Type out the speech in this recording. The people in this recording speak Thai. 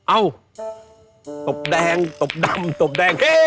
เอ้าตบแดงตบดำตบแดง